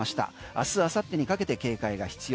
明日明後日にかけて警戒が必要。